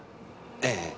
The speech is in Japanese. ええ。